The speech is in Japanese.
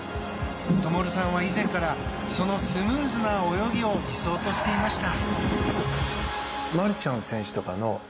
灯さんは以前からそのスムーズな泳ぎを理想としていました。